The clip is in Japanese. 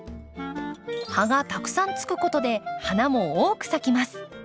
葉がたくさんつくことで花も多く咲きます。